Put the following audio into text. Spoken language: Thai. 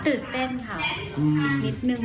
ตื่นเต้นค่ะนิดนึง